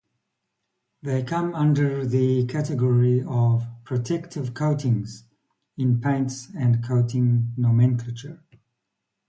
They come under the category of "protective coatings" in paints and coating nomenclature.